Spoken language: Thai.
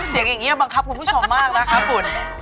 เสียงอย่างนี้บังคับคุณผู้ชมมากนะคะคุณ